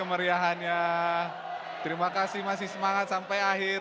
sudah sampai di segmen terakhir